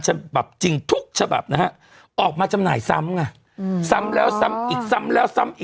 เป็นสภาพจริงทุกทศออกมาจำหน่ายซ้ำ